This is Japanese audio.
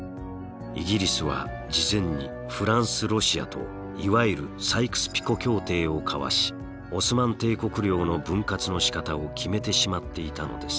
イギリスは事前にフランスロシアといわゆるサイクス・ピコ協定を交わしオスマン帝国領の分割のしかたを決めてしまっていたのです。